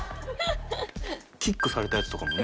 キックされたやつとかも。